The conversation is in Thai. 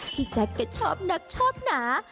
แจ๊คก็ชอบนับชอบหนา